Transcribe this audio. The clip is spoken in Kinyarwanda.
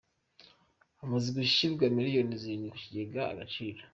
Hamaze gushyirwa Miliyari zirindwi mu kigega Agaciro